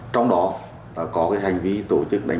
trong đó có hành vi tổ chức